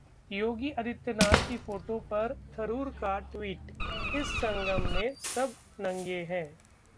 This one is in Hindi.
योगी आदित्यनाथ की फोटो पर थरूर का ट्वीट- इस संगम में सब नंगे हैं!